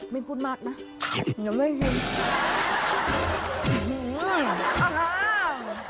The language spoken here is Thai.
มีคุณหมัดนะยังไม่ได้ชิม